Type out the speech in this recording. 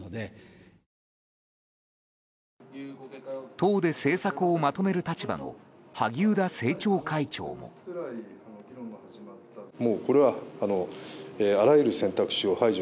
党で政策をまとめる立場の萩生田政調会長も。